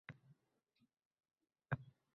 Timirskilanib borib chiroqni yoqdi.